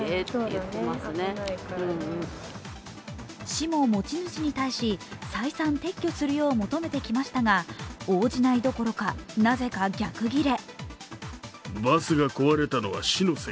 市も持ち主に対し、再三撤去するよう求めてきましたが応じないどころか、なぜか逆ギレ。